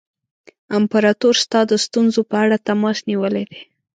امپراطور ستا د ستونزو په اړه تماس نیولی دی.